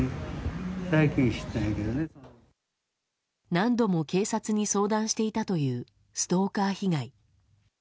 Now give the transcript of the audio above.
何度も警察に相談していたというストーカー被害。